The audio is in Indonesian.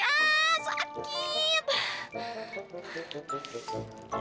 aduh aduh aduh aduh